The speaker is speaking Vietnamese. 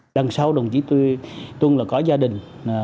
đằng sau đồng chí tương là có gia đình